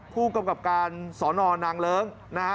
ผู้กำกับการสอนอนางเลิ้งนะฮะ